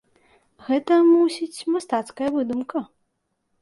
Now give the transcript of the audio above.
Гэта, мусіць, мастацкая выдумка.